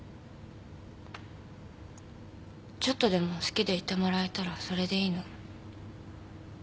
ちょっとでも好きでいてもらえたらそれでいいの。